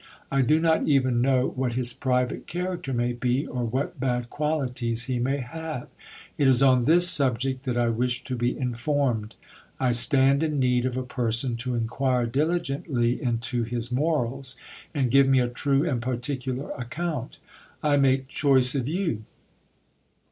I do not even know what his character may be, or what bad qualities he may have. It is on this sub, _ct that I wish to be informed. I stand in need of a person to inquire diligently into his morals, and give me a true and particular account. I make choice of you.